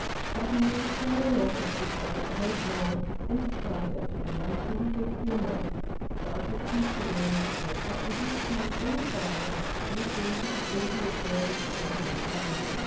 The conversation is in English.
Suddenly Charlie Orgreave gave a curt nod, and departed, in nonchalant good humour, doubtless considering that to accompany his chum any farther would be to be guilty of girlish sentimentality.